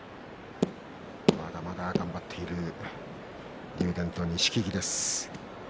まだまだ頑張っている竜電と錦木です。